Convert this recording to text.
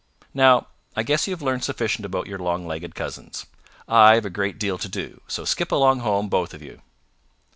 Now I guess you have learned sufficient about your long legged cousins. I've a great deal to do, so skip along home, both of you."